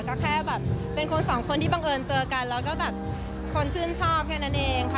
ก็แค่แบบเป็นคนสองคนที่บังเอิญเจอกันแล้วก็แบบคนชื่นชอบแค่นั้นเองค่ะ